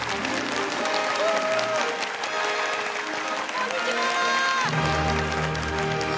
・こんにちは・